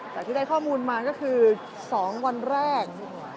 จากที่ได้ข้อมูลมาก็คือ๒วันแรก